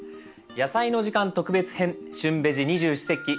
「やさいの時間特別編旬ベジ二十四節気」